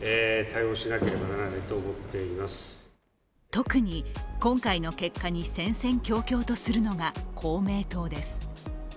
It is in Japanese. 特に、今回の結果に戦々恐々とするのが公明党です。